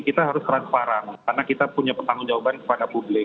kita harus transparan karena kita punya pertanggung jawaban kepada publik